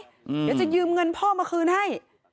เดี๋ยวจะยืมเงินพ่อมาคืนให้